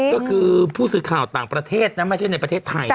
ก็คือผู้สื่อข่าวต่างประเทศนะไม่ใช่ในประเทศไทย